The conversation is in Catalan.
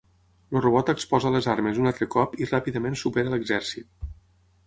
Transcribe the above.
El robot exposa les armes un altre cop i ràpidament supera l'exèrcit.